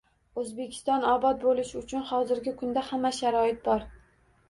O‘zbekiston obod bo‘lishi uchun hozirgi kunda hamma sharoit bor.